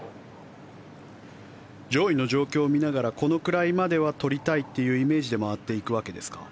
上位の状況を見ながらこれくらいまでは取りたいというイメージで回っていくわけですか？